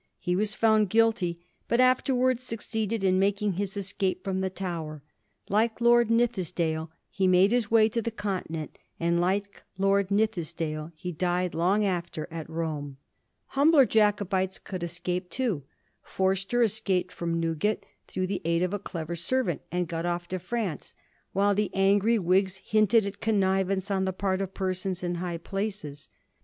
He was found guilty, but afterwai'ds succeeded in making his escape from the Tower. Like Lord Nithisdale, he made his way to the Continent ; and, like Lord Nithisdale, he died long after at Rome. Digiti zed by Google 1716. ANTI OATHOLIC LEGISLATION. 187 Humbler Jacobites could escape too. Forster escaped from Newgate, through the aid of a clever fiervant, and got off to France, while the angry Whigs hinted at connivance on the part of persons in high places.